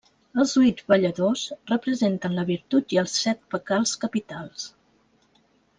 Els huit balladors representen la virtut i els set pecats capitals.